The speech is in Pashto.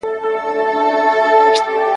په سختو شرایطو کي د نورو سره مرسته وکړئ.